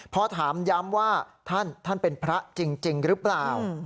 พอถามย้ำว่าท่านท่านเป็นพระจริงหรือเปล่า